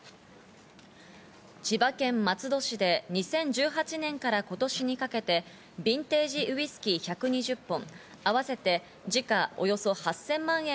千葉県松戸市で２０１８年から今年にかけて、ビンテージウイスキー１２０本、合わせて時価およそ８０００万円